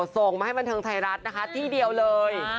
ส่งมาให้บันเทิงไทยรัฐนะคะที่เดียวเลย